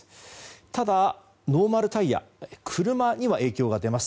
ただ、ノーマルタイヤの車には影響が出ます。